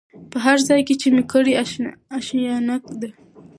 په هرځای کي چي مي کړې آشیانه ده